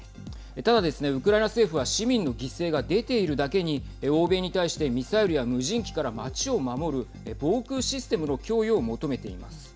ただですね、ウクライナ政府は市民の犠牲が出ているだけに欧米に対してミサイルや無人機から街を守る防空システムの供与を求めています。